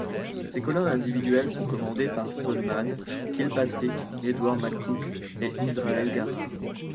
Ces colonnes individuelles sont commandées par Stoneman, Kilpatrick, Edward McCook, et Israel Garrard.